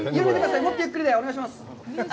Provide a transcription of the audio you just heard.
もっとゆっくりでお願いします。